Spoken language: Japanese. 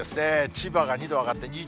千葉が２度上がって２４度。